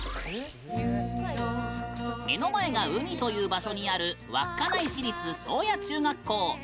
目の前が海という場所にある稚内市立宗谷中学校。